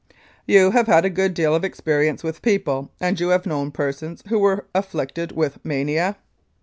You have had a good deal of experience with people, and you have known persons who were afflicted with mania?